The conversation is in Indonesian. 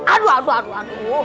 aduh aduh aduh aduh